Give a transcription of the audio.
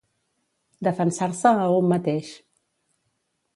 Defensar-se a un mateix